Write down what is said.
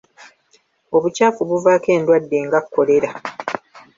Obukyafu buvaako endwadde nga kkolera.